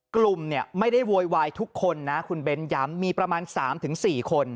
กลุ่มเนี่ยไม่ได้โวยวายทุกคนนะคุณเบ้นย้ำมีประมาณ๓๔คน